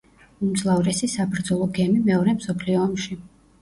უმძლავრესი საბრძოლო გემი მეორე მსოფლიო ომში.